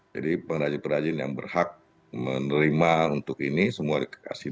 jadi pengrajin pengrajin yang berhak menerima untuk ini semua dikasih